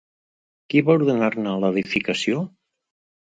Qui va ordenar-ne l'edificació?